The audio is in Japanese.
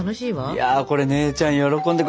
いやこれ姉ちゃん喜んでくれ。